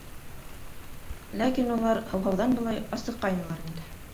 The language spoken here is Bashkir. Ләкин улар, һыуһауҙан былай, асыҡҡайнылар инде.